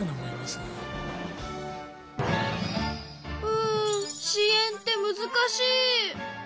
うん支援ってむずかしい。